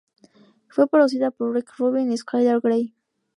Fue producida por Rick Rubin y Skylar Grey.